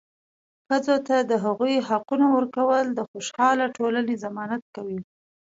ښځو ته د هغوي حقونه ورکول د خوشحاله ټولنې ضمانت کوي.